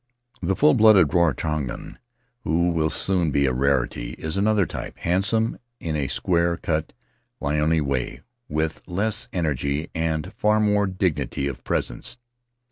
The full blooded Rarotongan, who will soon be a rarity, is another type — handsome in a square cut leonine way, with less energy and far more dignity of presence.